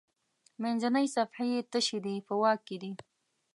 منځنۍ صفحې یې تشې دي په واک کې دي.